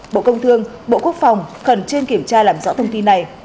bộ công thương bộ quốc phòng khẩn trương kiểm tra làm rõ thông tin này